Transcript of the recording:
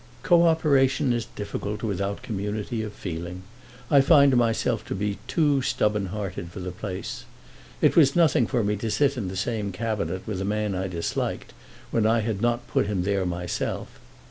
"Co operation is difficult without community of feeling. I find myself to be too stubborn hearted for the place. It was nothing to me to sit in the same Cabinet with a man I disliked when I had not put him there myself.